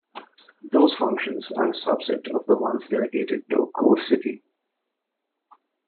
Those functions are a subset of the ones delegated to a core city.